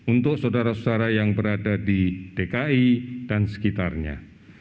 untuk saudara saudara yang berada di dki dan sekitarnya